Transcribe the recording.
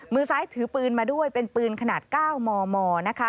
มือซ้ายถือปืนมาด้วยเป็นปืนขนาด๙มมนะคะ